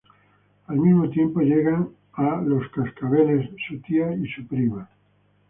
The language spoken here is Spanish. Al mismo tiempo llegan a "Los Cascabeles" su tía y su prima.